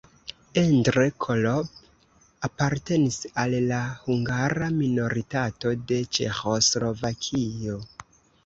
Endre Krolopp apartenis al la hungara minoritato de Ĉeĥoslovakio.